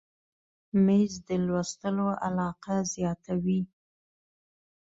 مېز د لوستلو علاقه زیاته وي.